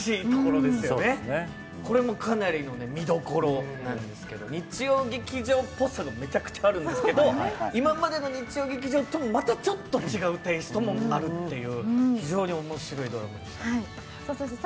これもかなりの見どころなんですけれども日曜劇場っぽさはめちゃくちゃあるんですけど、今までの日曜劇場ともまたちょっと違うテイストもあるという非常に面白いドラマでした。